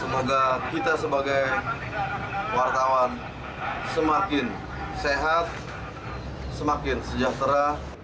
semoga kita sebagai wartawan semakin sehat semakin sejahtera